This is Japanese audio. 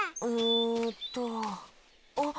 んっとあっ。